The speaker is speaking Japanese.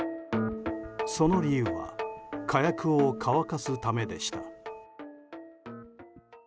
その理由は火薬を乾かすためでした。